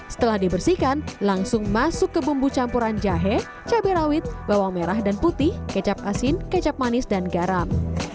setelah dibersihkan langsung masuk ke bumbu campuran jahe cabai rawit bawang merah dan putih kecap asin kecap manis dan garam